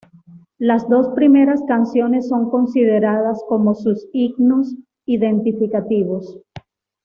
Las dos primeras canciones son consideradas como sus himnos identificativos.